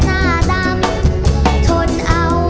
มันเติบเติบ